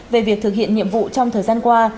về việc thực hiện nhiệm vụ trong thời gian qua